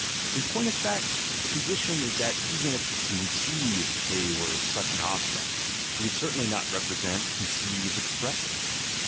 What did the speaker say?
In point of fact, the position is that even if he conceived he were such an object, he would certainly not represent, conceive, express it.